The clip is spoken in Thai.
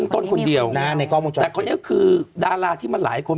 ต้นคนเดียวแต่คนนี้คือดาราที่มันหลายคน